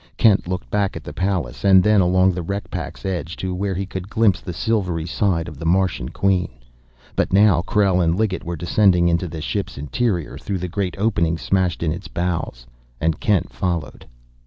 Kent looked back at the Pallas, and then along the wreck pack's edge to where he could glimpse the silvery side of the Martian Queen. But now Krell and Liggett were descending into the ship's interior through the great opening smashed in its bows, and Kent followed.